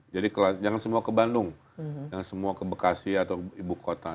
jadi jangan semua ke bandung jangan semua ke bekasi atau ibu kota